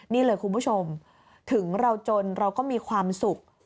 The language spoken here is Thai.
นี่เลยคุณผู้ชมถึงเราจนเราก็มีความสุข